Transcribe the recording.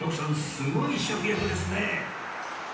すごい食欲ですね